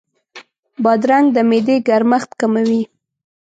بادرنګ د معدې ګرمښت کموي.